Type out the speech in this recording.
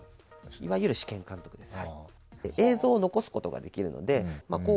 いわゆる試験監督です。